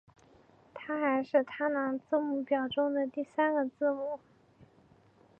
它还是它拿字母表中的第三个字母。